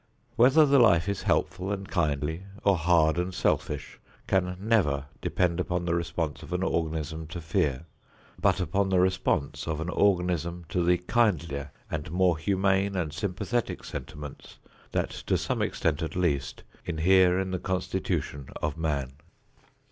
Whether the life is helpful and kindly or hard and selfish can never depend upon the response of an organism to fear, but upon the response of an organism to the kindlier and more humane and sympathetic sentiments that to some extent at least inhere in the constitution of man.